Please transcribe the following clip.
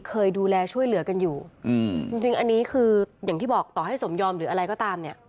เคยดูแลช่วยเหลือกันอยู่อืมจริงจริงอันนี้คืออย่างที่บอกต่อให้สมยอมหรืออะไรก็ตามเนี่ย